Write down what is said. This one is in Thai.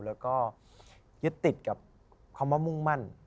แล้วก็ยึดติดกับคำว่ามุ่งมั่น